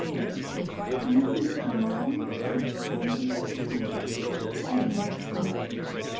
XXVI Mrs. Johnson to Lady Susan. Edward Street.